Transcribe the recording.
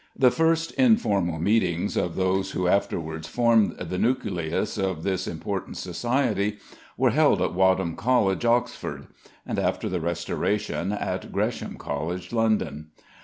The first informal meetings of those who afterwards formed the nucleus of this important Society were held at Wadham College, Oxford; and after the Restoration, at Gresham College, London.